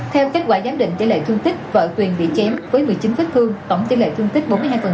theo kết quả giám định chế lệ thương tích vợ tuyền bị chém với một mươi chín thích thương tổng chế lệ thương tích bốn mươi hai